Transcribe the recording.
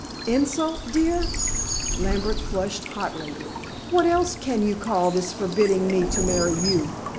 "Insult, dear?" Lambert flushed hotly. "What else can you call this forbidding me to marry you?